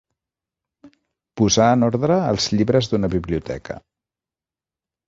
Posar en ordre els llibres d'una biblioteca.